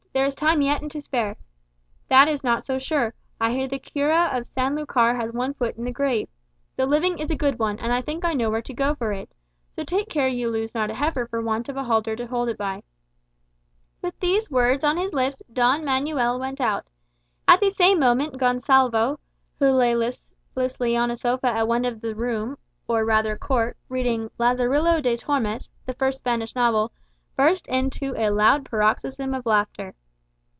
There is time yet and to spare." "That is not so sure. I hear the cura of San Lucar has one foot in the grave. The living is a good one, and I think I know where to go for it. So take care you lose not a heifer for want of a halter to hold it by." With these words on his lips, Don Manuel went out. At the same moment Gonsalvo, who lay listlessly on a sofa at one end of the room, or rather court, reading "Lazarillo de Tormes," the first Spanish novel, burst into a loud paroxysm of laughter.